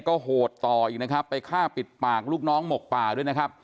ก็โหดต่ออีกนะครับไปฆ่าปิดปากลูกน้องหมกป่าด้วยนะครับ